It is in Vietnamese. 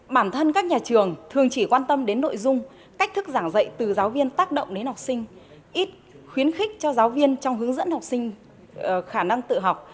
bản thân các nhà trường thường chỉ quan tâm đến nội dung cách thức giảng dạy từ giáo viên tác động đến học sinh ít khuyến khích cho giáo viên trong hướng dẫn học sinh khả năng tự học